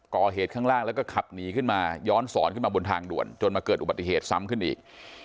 ก่อเหตุข้างล่างแล้วก็ขับหนีขึ้นมาย้อนสอนขึ้นมาบนทางด่วนจนมาเกิดอุบัติเหตุซ้ำขึ้นอีก